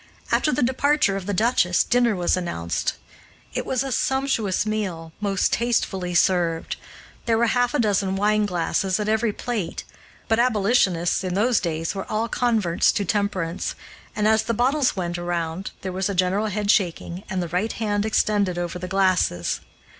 After the departure of the duchess, dinner was announced. It was a sumptuous meal, most tastefully served. There were half a dozen wineglasses at every plate, but abolitionists, in those days, were all converts to temperance, and, as the bottles went around there was a general headshaking, and the right hand extended over the glasses.